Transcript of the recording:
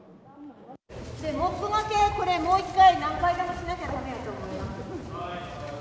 モップがけ、これ、もう一回、何回でもしなきゃだめやと思います。